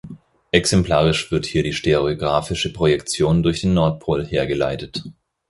Exemplarisch wird hier die stereografische Projektion durch den Nordpol hergeleitet.